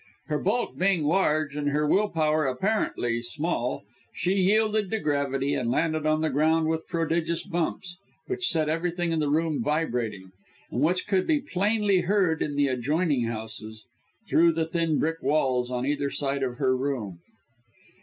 Her bulk being large and her will power apparently small, she yielded to gravity and landed on the ground with prodigious bumps, which set everything in the room vibrating, and which could be plainly heard in the adjoining houses, through the thin brick walls on either side of her room.